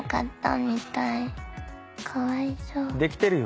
できてるよ。